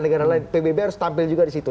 negara lain pbb harus tampil juga disitu